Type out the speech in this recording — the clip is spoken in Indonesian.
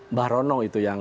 mbak rono itu yang